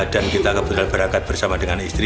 dan kita akan berangkat bersama dengan istri